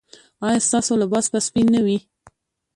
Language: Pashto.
ایا ستاسو لباس به سپین نه وي؟